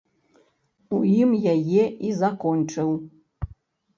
У ім яе і закончыў.